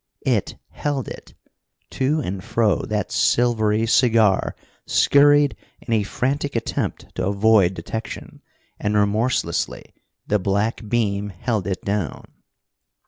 It held it! To and fro that silvery cigar scurried in a frantic attempt to avoid detection, and remorselessly the black beam held it down.